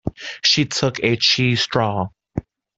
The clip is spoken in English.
She took a cheese straw.